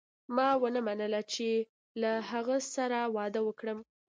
ما ومنله چې له هغه سره واده وکړم.